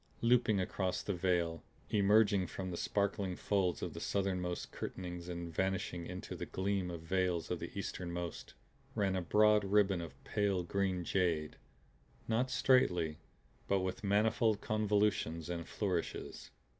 Looping across the vale, emerging from the sparkling folds of the southernmost curtainings and vanishing into the gleaming veils of the easternmost, ran a broad ribbon of pale green jade; not straightly but with manifold convolutions and flourishes.